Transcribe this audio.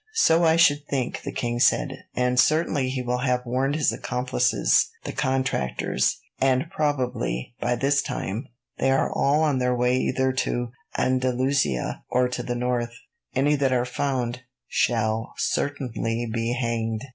"So I should think," the king said; "and certainly he will have warned his accomplices, the contractors; and probably, by this time, they are all on their way either into Andalusia or to the north. Any that are found shall certainly be hanged.